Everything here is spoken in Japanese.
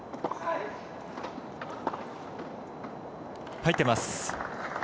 入っています。